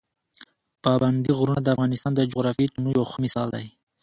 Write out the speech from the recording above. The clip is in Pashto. پابندي غرونه د افغانستان د جغرافیوي تنوع یو ښه مثال دی.